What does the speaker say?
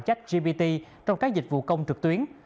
trách gbt trong các dịch vụ công trực tuyến